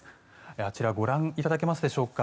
あちらご覧いただけますでしょうか。